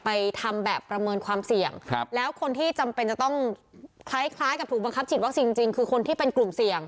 ทำแบบประเมินความเสี่ยงครับแล้วคนที่จำเป็นจะต้องคล้ายคล้ายกับถูกบังคับฉีดวัคซีนจริงคือคนที่เป็นกลุ่มเสี่ยง